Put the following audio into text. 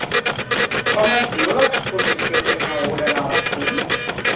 Com es diu l'exposició que inauguren a les cinc?